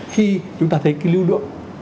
khi chúng ta thấy cái lưu lượng